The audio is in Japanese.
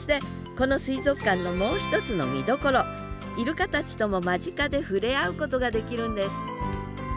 この水族館のもう一つの見どころイルカたちとも間近で触れ合うことができるんです